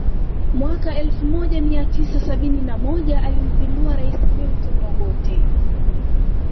Mwaka elfu moja mia tisa sabini na moja alimpindua rais Milton Obote